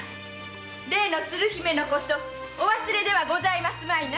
例の鶴姫のことお忘れではございますまいな？